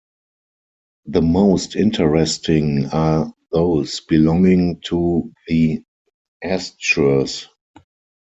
The most interesting are those belonging to the Astures.